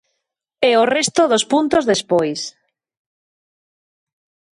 E o resto dos puntos despois.